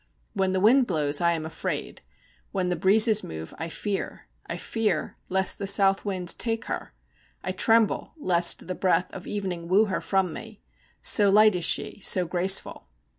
When the wind blows I am afraid, when the breezes move I fear. I fear lest the south wind take her, I tremble lest the breath of evening woo her from me so light is she, so graceful.